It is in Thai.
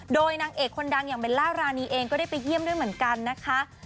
โดยนางเอกคนดังอย่างเบลล่ารานีเองก็ได้ไปเยี่ยมด้วยเหมือนกันนะคะ